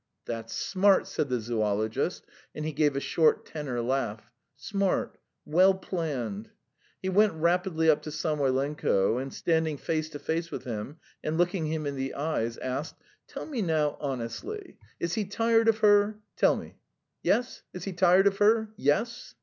"That's smart!" said the zoologist, and he gave a short tenor laugh. "Smart, well planned." He went rapidly up to Samoylenko, and standing face to face with him, and looking him in the eyes, asked: "Tell me now honestly: is he tired of her? Yes? tell me: is he tired of her? Yes?"